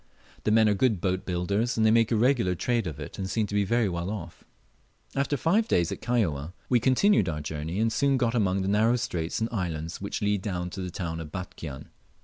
The men are good boat builders, and they make a regular trade of it and seem to be very well off. After five days at Kaióa we continued our journey, and soon got among the narrow straits and islands which lead down to the town of Batchian.